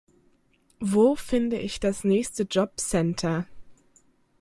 Wo finde ich das nächste Jobcenter?